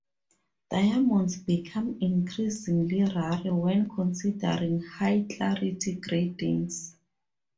Diamonds become increasingly rare when considering higher clarity gradings.